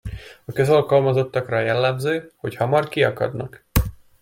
A közalkalmazottakra jellemző, hogy hamar kiakadnak.